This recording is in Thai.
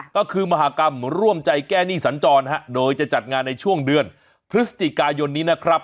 ก็คือมหากรรมร่วมใจแก้หนี้สัญจรโดยจะจัดงานในช่วงเดือนพฤศจิกายนนี้นะครับ